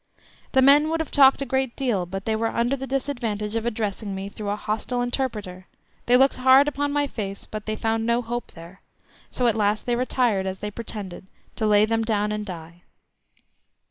The men would have talked a great deal, but they were under the disadvantage of addressing me through a hostile interpreter; they looked hard upon my face, but they found no hope there; so at last they retired as they pretended, to lay them down and die.